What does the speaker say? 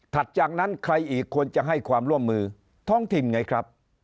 จากนั้นใครอีกควรจะให้ความร่วมมือท้องถิ่นไงครับ